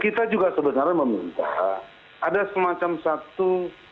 kita juga sebenarnya meminta ada semacam satu